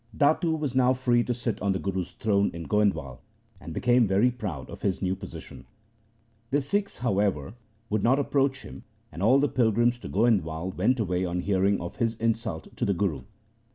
Datu was now free to sit on the Guru's throne in Goindwal, and became very proud of his new position. The Sikhs, however, would not approach him, and all the pilgrims to Goindwal went away on hearing of his insult to the Guru.